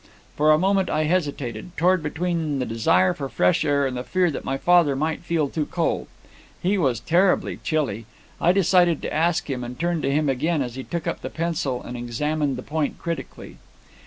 For a moment I hesitated, torn between the desire for fresh air and the fear that my father might feel too cold. He was terribly chilly. I decided to ask him, and turned to him again as he took up the pencil and examined the point critically.